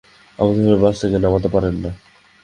আমাদের এভাবে বাস থেকে নামাতে পারেন না।